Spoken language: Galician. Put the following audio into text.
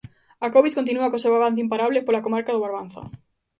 A covid continúa co seu avance imparable pola comarca do Barbanza.